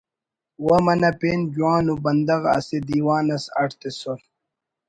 و منہ پین جوان ءُ بندغ اسہ دیوان اس اڈ تسر